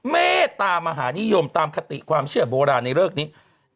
เมตตามหานิยมตามคติความเชื่อโบราณในเริกนี้